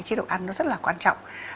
chế độ ăn nó rất là quan trọng